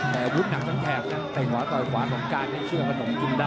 แตะวุดหังเปรียแต่งหวาต่อยขวานมการให้เชื่อกระดมกินได้นะครับ